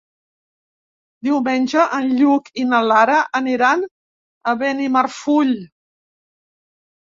Diumenge en Lluc i na Lara aniran a Benimarfull.